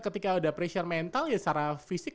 ketika ada pressure mental ya secara fisik